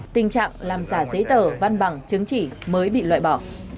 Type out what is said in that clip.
tình trạng làm giả giấy tờ văn bằng chứng chỉ mới bị loại bỏ